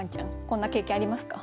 こんな経験ありますか？